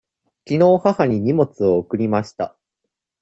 きのう母に荷物を送りました。